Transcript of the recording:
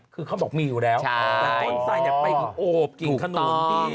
คือเขาบอกมีอยู่แล้วแต่ต้นไส้ไปโอบกิ่งขนุนพี่